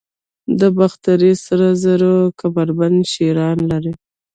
د باختر سرو زرو کمربند شیران لري